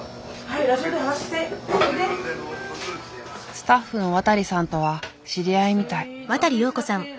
スタッフの渡さんとは知り合いみたい。